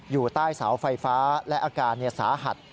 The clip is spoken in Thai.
อยู่ใต้เสาไฟฟ้าและอาการสาหัส